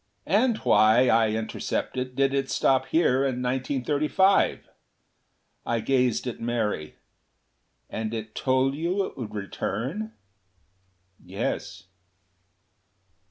"And why," I intercepted, "did it stop here in 1935?" I gazed at Mary. "And it told you it would return?" "Yes."